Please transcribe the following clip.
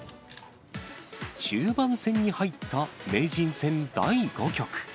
中盤戦に入った名人戦第５局。